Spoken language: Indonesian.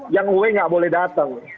yang w nggak boleh datang